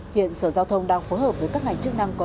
hiện sở giao thông đang phối hợp với các ngành chức năng